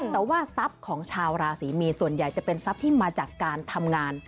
แต่ว่าทรัพย์ของชาวราศรีมีนส่วนใหญ่จะเป็นทรัพย์ที่มาจากการทำงาน